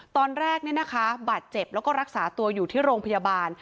ตอนแรกบาดเจ็บแล้วก็รักษาตัวอยู่ที่โรงพยาบาล